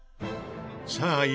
さあ